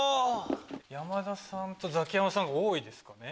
山田さんとザキヤマさんが多いですかね。